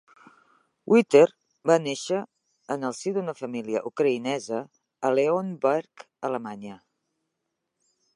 Witer va néixer en el si d'una família ucraïnesa a Leonberg, Alemanya.